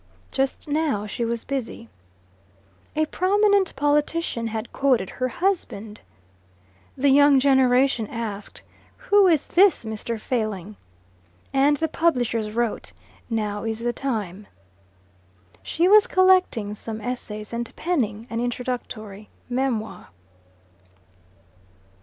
Just now she was busy. A prominent politician had quoted her husband. The young generation asked, "Who is this Mr. Failing?" and the publishers wrote, "Now is the time." She was collecting some essays and penning an introductory memoir.